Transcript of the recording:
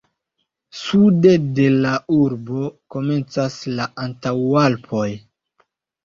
Sude de la urbo komencas la Antaŭalpoj.